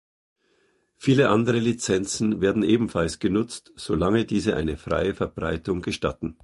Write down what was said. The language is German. Viele andere Lizenzen werden ebenfalls genutzt, solange diese eine freie Verbreitung gestatten.